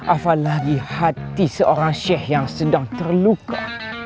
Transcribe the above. afa' lagi hati seorang seh yang sedang terluka